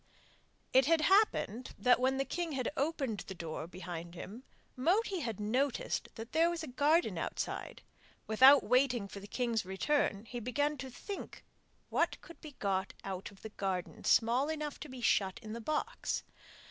It happened that when the king had opened the door behind him, Moti noticed that there was a garden outside: without waiting for the king's return he began to think what could be got out of the garden small enough to be shut in the box.